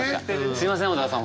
すいません小沢さん